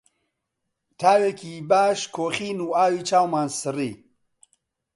تاوێکی باش کۆخین و ئاوی چاومان سڕی